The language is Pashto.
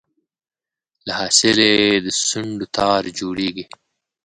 له حاصله یې د سونډو تار جوړیږي